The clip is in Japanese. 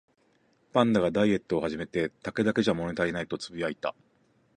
パンダがダイエットを始めて、「竹だけじゃ物足りない」とつぶやいた